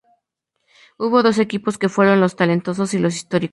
Hubo dos equipos que fueron "Los Talentosos" y "Los Históricos".